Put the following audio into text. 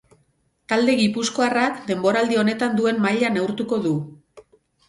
Talde gipuzkoarrak denboraldi honetan duen maila neurtuko du.